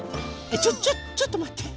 ちょっちょっちょっとまって。